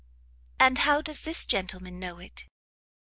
"And how does this gentleman know it?"